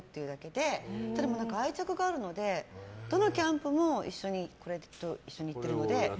でも愛着があるのでどのキャンプもこれと一緒に行っているので。